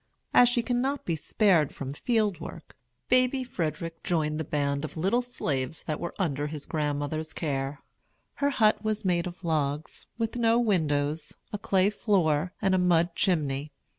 As she could not be spared from field work, baby Frederick joined the band of little slaves that were under his grandmother's care. Her hut was made of logs, with no windows, a clay floor, and a mud chimney.